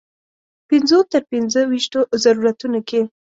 پنځو تر پنځه ویشتو ضرورتونو کې.